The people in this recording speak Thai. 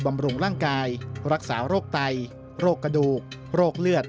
บำรุงร่างกายรักษาโรคไตโรคกระดูกโรคเลือด